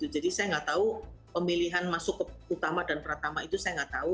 jadi saya nggak tahu pemilihan masuk ke utama dan peratama itu saya nggak tahu